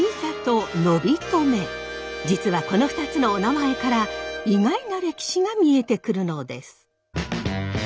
実はこの２つのおなまえから意外な歴史が見えてくるのです。